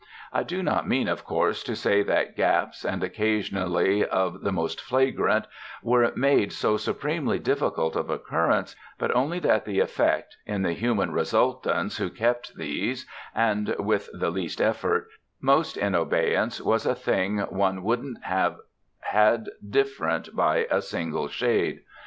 I do not mean of course to say that gaps, and occasionally of the most flagrant, were made so supremely difficult of occurrence; but only that the effect, in the human resultants who kept these, and with the least effort, most in abeyance, was a thing one wouldn't have had different by a single shade.